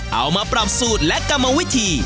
เอามาปรับสูตรและกรรมวิธี